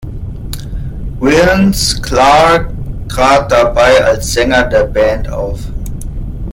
Vince Clarke trat dabei als Sänger der Band auf.